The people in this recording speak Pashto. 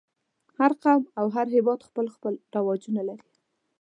هر قوم او هر هېواد خپل خپل رواجونه لري.